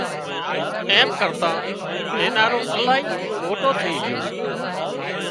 ايم ڪرتان مينارو الاهي موٽو ٿئي جھو